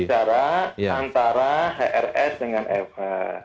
ini kan konteksnya kita bicara antara hrs dengan fr